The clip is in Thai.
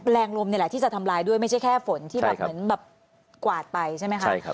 แรงลมนี่แหละที่จะทำลายด้วยไม่ใช่แค่ฝนที่แบบเหมือนแบบกวาดไปใช่ไหมคะ